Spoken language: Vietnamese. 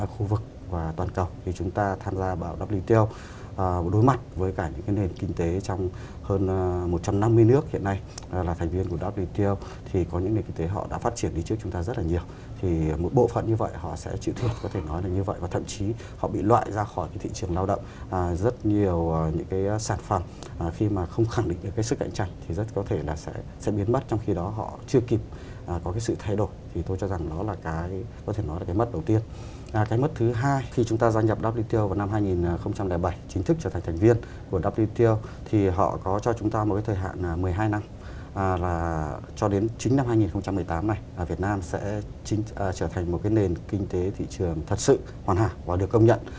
khi chúng ta gia nhập wto vào năm hai nghìn bảy chính thức trở thành thành viên của wto thì họ có cho chúng ta một cái thời hạn một mươi hai năm là cho đến chính năm hai nghìn một mươi tám này việt nam sẽ trở thành một cái nền kinh tế thị trường thật sự hoàn hảo và được công nhận